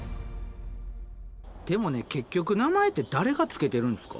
でもね結局名前って誰がつけてるんですか？